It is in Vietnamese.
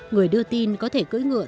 người đưa tin có thể cưỡi ngựa